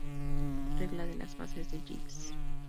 Regla de las fases de Gibbs